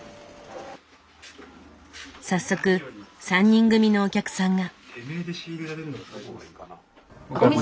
早速３人組のお客さんが。